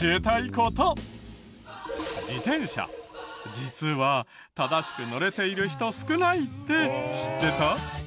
実は正しく乗れている人少ないって知ってた？